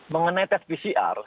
mengenai tes pcr